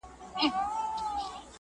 له سپاهيانو يې ساتلم پټولم.!